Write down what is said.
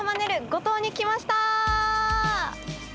五島に来ました！